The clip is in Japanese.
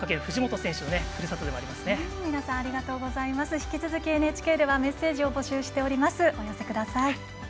引き続きＮＨＫではメッセージを募集しています。